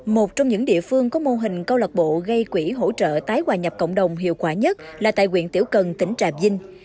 một trong những địa phương có mô hình câu lạc bộ gây quỹ hỗ trợ tái hòa nhập cộng đồng hiệu quả nhất là tại quyện tiểu cần tỉnh trà vinh